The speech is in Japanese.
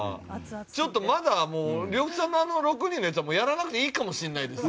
ちょっともう呂布さんのあの６人のやつはもうやらなくていいかもしんないですね。